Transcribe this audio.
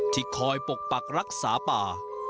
ที่คอยปกปักรักษาป่า